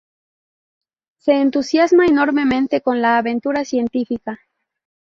Se entusiasma enormemente con la aventura científica.